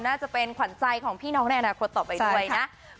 น่าจะเป็นขวัญใจของพี่น้องในอนาคตต่อไปด้วยนะ